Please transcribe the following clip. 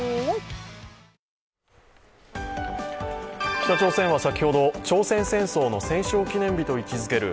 北朝鮮は先ほど朝鮮戦争の戦勝記念日と位置づける